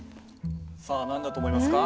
さあ何だと思いますか？